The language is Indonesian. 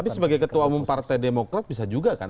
tapi sebagai ketua umum partai demokrat bisa juga kan